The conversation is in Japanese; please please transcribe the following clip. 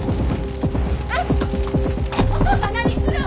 えっお父さん何するん？